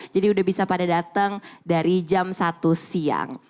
udah bisa pada datang dari jam satu siang